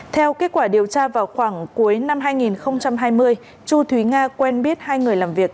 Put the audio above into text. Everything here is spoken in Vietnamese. theo kết quả điều tra vào khoảng cuối năm hai nghìn hai mươi chu thúy nga quen biết hai người làm việc